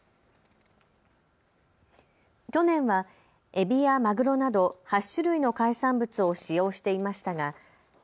去年はエビやマグロなど８種類の海産物を使用していましたが。